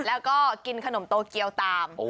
แล้วก็กินขนมโตเกียวตาม